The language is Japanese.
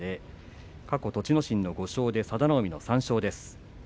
過去、栃ノ心の５勝佐田の海の３勝です。